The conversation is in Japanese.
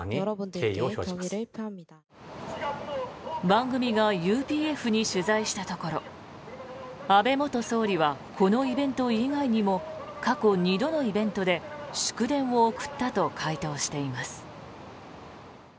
番組がＵＰＦに取材したところ安倍元総理はこのイベント以外にも過去２度のイベントで祝電を送ったと回答しています。